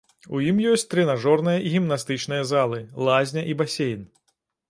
У ім ёсць трэнажорныя і гімнастычныя залы, лазня і басейн.